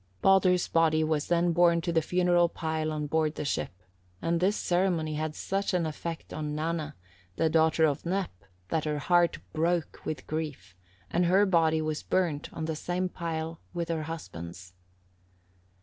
Baldur's body was then borne to the funeral pile on board the ship, and this ceremony had such an effect on Nanna, the daughter of Nep, that her heart broke with grief, and her body was burnt on the same pile with her husband's.